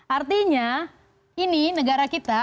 artinya ini negara kita